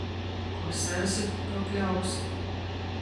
Ko sēsi, to pļausi.